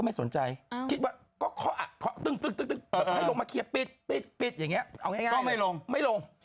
เดินไปใช้ฝ่ามือนะ